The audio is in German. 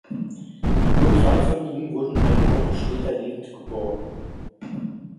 Nur drei von ihnen wurden eine Woche später lebend geborgen.